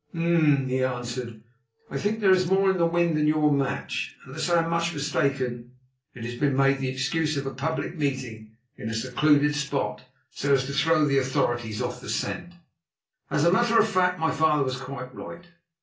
"Hum," he answered; "I think there is more in the wind than your match. Unless I am much mistaken, it has been made the excuse of a public meeting in a secluded spot, so as to throw the Authorities off the scent." As a matter of fact, my father was quite right.